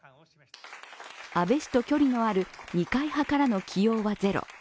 安倍氏と距離のある二階派からの起用はゼロ。